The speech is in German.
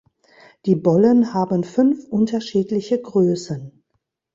Die Bollen haben fünf unterschiedliche Größen.